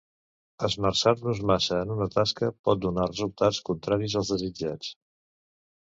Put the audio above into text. Esmerçar-nos massa en una tasca pot donar resultats contraris als desitjats.